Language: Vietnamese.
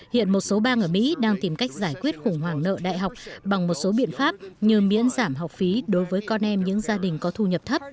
hiện một số bang ở mỹ đang tìm cách giải quyết khủng hoảng nợ đại học bằng một số biện pháp như miễn giảm học phí đối với con em những gia đình có thu nhập thấp